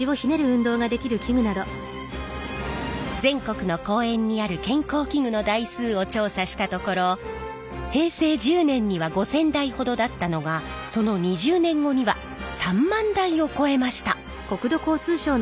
全国の公園にある健康器具の台数を調査したところ平成１０年には５，０００台ほどだったのがその２０年後には３万台を超えました！